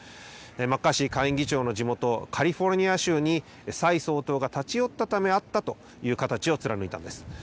マッカーシー下院議長の地元、カリフォルニア州に蔡総統が立ち寄ったため、会ったという形を貫いたのです。